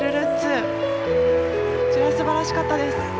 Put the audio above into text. すばらしかったです。